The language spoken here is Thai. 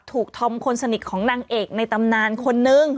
ธอมคนสนิทของนางเอกในตำนานคนนึง